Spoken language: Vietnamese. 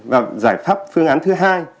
và giải pháp phương án thứ hai